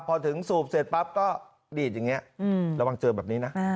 พอถึงสูบเสร็จปั๊บก็ดีดอย่างนี้ระวังเจอแบบนี้นะ